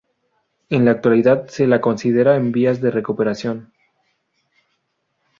En la actualidad se la considera en vías de recuperación.